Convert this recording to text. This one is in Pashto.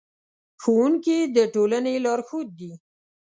ښوونکي د ټولنې لارښود دي.